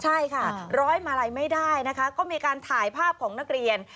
ใช่ค่ะร้อยมาลัยไม่ได้นะคะก็มีการถ่ายภาพของนักเรียน